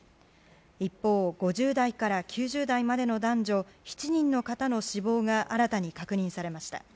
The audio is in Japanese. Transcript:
一方、５０代から９０代までの男女７人の方の死亡が新たに確認されました。